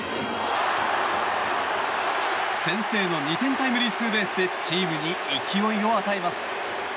先制の２点タイムリーツーベースでチームに勢いを与えます。